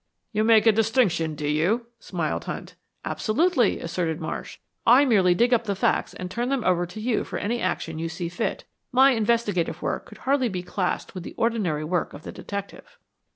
"You make a distinction, do you?" smiled Hunt. "Absolutely," asserted Marsh. "I merely dig up the facts and turn them over to you for any action you see fit. My investigative work could hardly be classed with the ordinary work of the detective."